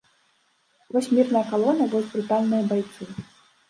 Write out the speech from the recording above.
Вось мірная калона, вось брутальныя байцы.